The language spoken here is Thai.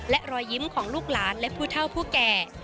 และรอยยิ้มของลูกหลานและผู้เท่าผู้แก่